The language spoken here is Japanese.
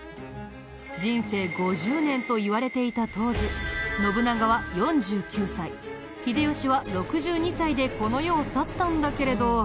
人生５０年といわれていた当時信長は４９歳秀吉は６２歳でこの世を去ったんだけれど。